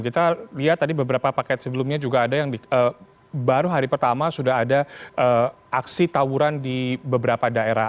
kita lihat tadi beberapa paket sebelumnya juga ada yang baru hari pertama sudah ada aksi tawuran di beberapa daerah